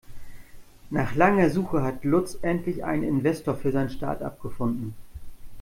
Nach langer Suche hat Lutz endlich einen Investor für sein Startup gefunden.